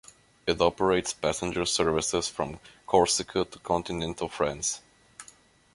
It operates passenger services from Corsica to continental France.